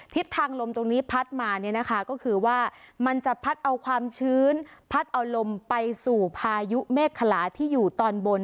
ทิศทางลมตรงนี้พัดมาเนี่ยนะคะก็คือว่ามันจะพัดเอาความชื้นพัดเอาลมไปสู่พายุเมฆขลาที่อยู่ตอนบน